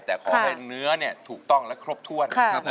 แต่ขอให้เนื้อถูกต้องและครบถ้วน